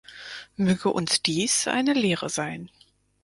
Möge uns dies eine Lehre sein.